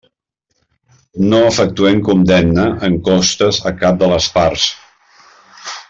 No efectuem condemna en costes a cap de les parts.